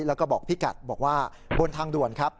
แล้วก็บอกพี่กัดบอกว่าบนทางด่วนครับ